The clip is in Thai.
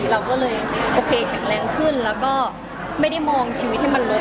เราก็เลยโอเคแข็งแรงขึ้นแล้วก็ไม่ได้มองชีวิตให้มันลบ